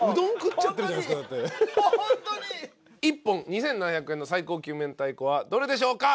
一本２，７００円の最高級めんたいこはどれでしょうか？